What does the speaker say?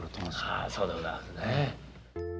ああそうでございますね。